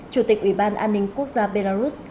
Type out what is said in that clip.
chủ tịch ủy ban an ninh quốc gia belarus